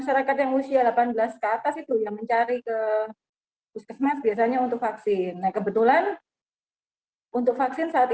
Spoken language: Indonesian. crowded ya di beberapa puskesmas jadi mungkin diarahkan untuk masal